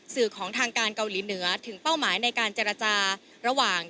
สื่อของทางการเกาหลีเหนือถึงเป้าหมายในการเจรจาระหว่าง